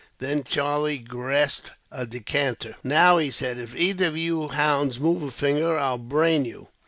Then Charlie grasped a decanter. "Now," he said, "if either of you hounds move a finger, I'll brain you."